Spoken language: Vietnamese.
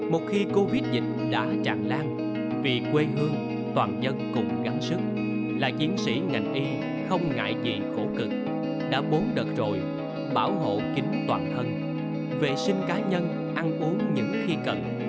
một khi covid đã tràn lan vì quê hương toàn dân cùng gắn sức là chiến sĩ ngành y không ngại gì khổ cực đã bốn đợt rồi bảo hộ kính toàn thân vệ sinh cá nhân ăn uống những khi cần